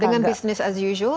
dengan business as usual